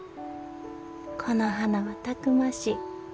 この花はたくましい。